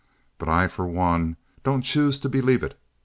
But I for one don't choose to believe it.